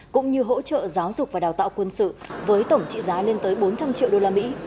cũng như hỗ trợ giáo dục và đào tạo quân sự với tổng trị giá lên tới bốn trăm linh triệu đô la mỹ